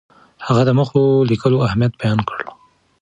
هغه د موخو لیکلو اهمیت بیان کړ.